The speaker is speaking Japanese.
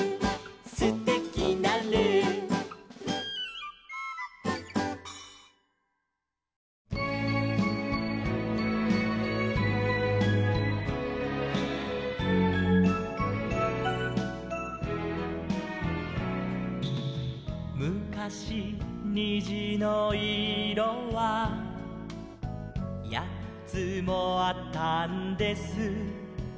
「すてきなルー」「むかしにじのいろはやっつもあったんです」